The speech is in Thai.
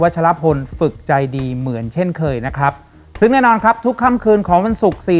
ชลพลฝึกใจดีเหมือนเช่นเคยนะครับซึ่งแน่นอนครับทุกค่ำคืนของวันศุกร์สี่